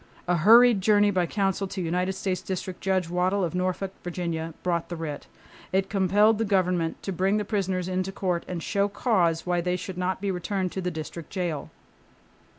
A hurried journey by counsel to United States District Judge Waddill of Norfolk, Virginia, brought the writ. It compelled the government to bring the prisoners into court and show cause why they should not be returned to the district jail.